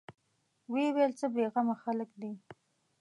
ويې ويل: څه بېغمه خلک دي.